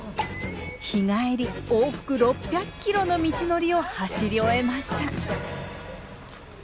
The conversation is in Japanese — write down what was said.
日帰り往復６００キロの道のりを走り終えました。